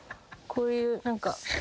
こういう何か。